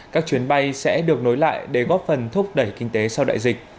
các chuyến bay sẽ được nối lại để góp phần thúc đẩy kinh tế sau đại dịch